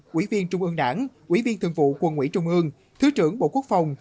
quỹ viên trung ương đảng quỹ viên thượng vụ quân ủy trung ương thứ trưởng bộ quốc phòng